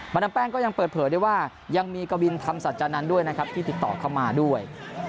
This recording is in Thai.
บันน้ำแป้งก็ยังเปิดเผลอได้ว่ายังมีกวินธรรมศาจรรย์นั้นด้วยนะครับที่ติดต่อเข้ามาด้วย